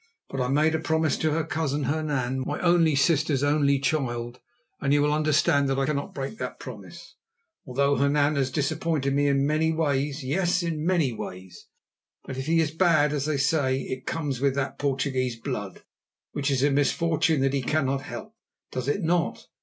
But I made a promise to her cousin, Hernan, my only sister's only child, and you will understand that I cannot break that promise, although Hernan has disappointed me in many ways—yes, in many ways. But if he is bad, as they say, it comes with that Portuguese blood, which is a misfortune that he cannot help, does it not?